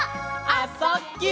「あ・そ・ぎゅ」